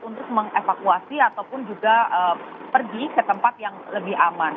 untuk mengevakuasi ataupun juga pergi ke tempat yang lebih aman